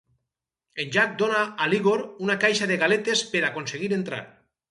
En Jack dona a l'Igor una caixa de galetes per aconseguir entrar.